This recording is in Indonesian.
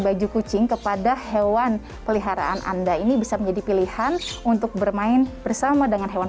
baju kucing kepada hewan peliharaan anda ini bisa menjadi pilihan untuk bermain bersama dengan hewan